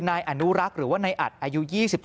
นายอนุรักษ์หรือว่านายอัดอายุ๒๒